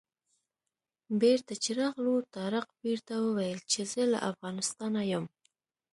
بېرته چې راغلو طارق پیر ته وویل چې زه له افغانستانه یم.